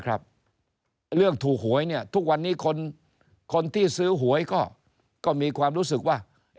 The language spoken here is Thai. เรื่องถูกหวยเนี่ยทุกวันนี้คนที่ซื้อหวยก็มีความรู้สึกว่า